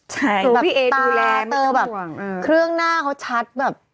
ใช่ตาเตอแบบเครื่องหน้าเขาชัด